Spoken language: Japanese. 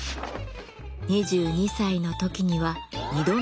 ２２歳の時には２度目の上京。